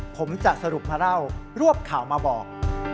ผมจะสรุปมาเล่ารวบข่าวมาบอก